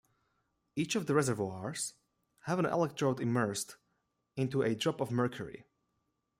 Each of the reservoirs have an electrode immersed into a drop of mercury.